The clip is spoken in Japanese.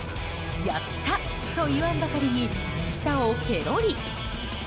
やったと言わんばかりに舌をペロリ。